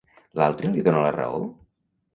L'altre li dona la raó?